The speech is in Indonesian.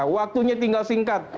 waktunya tinggal singkat